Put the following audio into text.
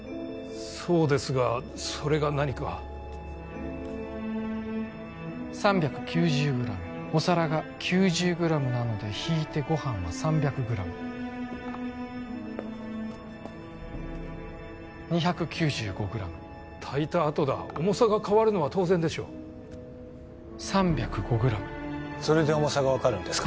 そうですがそれが何か３９０グラムお皿が９０グラムなので引いてご飯は３００グラム２９５グラム炊いたあとだ重さが変わるのは当然でしょう３０５グラムそれで重さが分かるんですか？